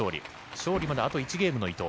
勝利まであと１ゲームの伊藤。